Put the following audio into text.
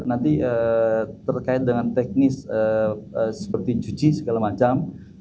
nanti terkait dengan teknis seperti cuci segala macam